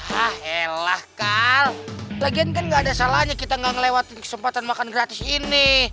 yah elah kal lagian kan gak ada salahnya kita gak ngelewati kesempatan makan gratis ini